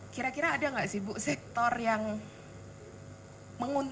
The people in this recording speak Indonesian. kira kira ada nggak sih bu sektor yang menguntungkan